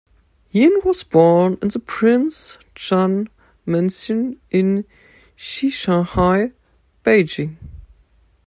Jin was born in the Prince Chun Mansion in Shichahai, Beijing.